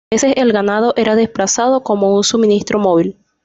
A veces el ganado era desplazado como un suministro móvil.